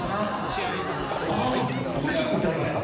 あこれ作ってはるんですか？